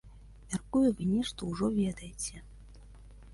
Мяркую, вы нешта ўжо ведаеце.